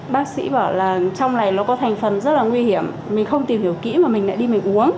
bác sĩ bảo là trong này nó có thành phần rất là nguy hiểm mình không tìm hiểu kỹ mà mình lại đi mình uống